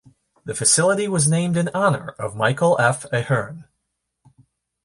The facility was named in honor of Michael F. Ahearn.